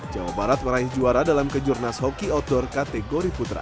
jawa barat meraih juara dalam kejurnas hockey outdoor kategori putra